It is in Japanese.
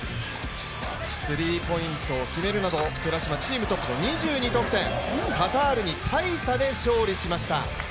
スリーポイントを決めるなど、寺嶋チームトップの２２得点、カタールに大差で勝利しました。